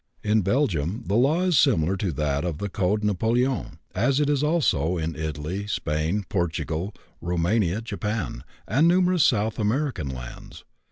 In Belgium the law is similar to that of the Code Napoléon, as it is also in Italy, Spain, Portugal, Roumania, Japan, and numerous South American lands.